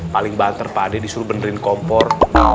paling banter pak ade disuruh benerin kompor